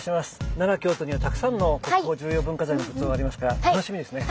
奈良京都にはたくさんの国宝重要文化財の仏像がありますから楽しみですね。